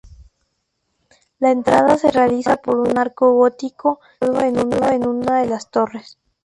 La entrada se realiza por un arco gótico situado en una de las torres.